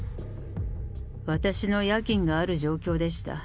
私の夜勤がある状況でした。